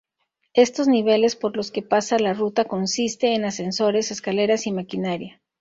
Estos niveles por los que pasa la ruta consiste en ascensores, escaleras y maquinaria.